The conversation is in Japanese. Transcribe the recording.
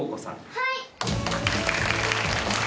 はい。